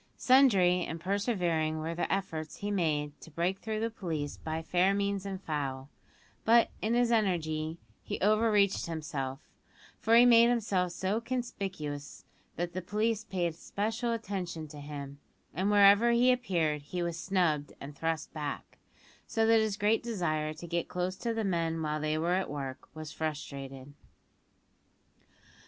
Sundry and persevering were the efforts he made to break through the police by fair means and foul; but, in his energy, he over reached himself, for he made himself so conspicuous that the police paid special attention to him, and wherever he appeared he was snubbed and thrust back, so that his great desire to get close to the men while they were at work was frustrated.